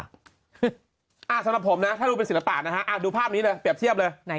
สำหรับผมนะถ้าดูเป็นศิลปะนะฮะดูภาพนี้เลยเปรียบเทียบเลย